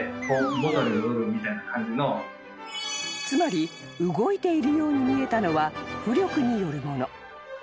［つまり動いているように見えたのは浮力によるもの］